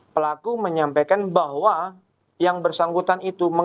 pelaku menyampaikan bahwa yang bersangkutan itu